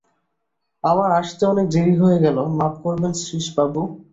আমার আসতে অনেক দেরি হয়ে গেল, মাপ করবেন শ্রীশবাবু!